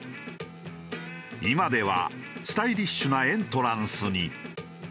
今ではスタイリッシュなエントランスに。